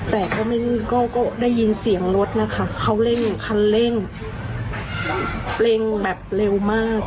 แต่ก็ไม่ได้ยินก็ก็ได้ยินเสียงรถนะคะเขาเร่งคันเร่งเร่งแบบเร็วมาก